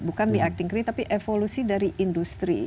bukan di acting create tapi evolusi dari industri